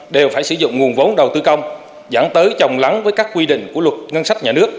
đều phải sử dụng nguồn vốn đầu tư công dẫn tới trồng lắng với các quy định của luật ngân sách nhà nước